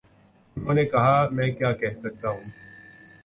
انہوں نے کہا: میں کیا کہہ سکتا ہوں۔